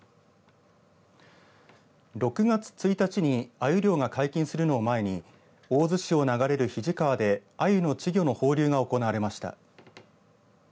６月１日にあゆ漁が解禁するのを前に大洲市を流れる肱川であゆの稚魚の放流が行われました。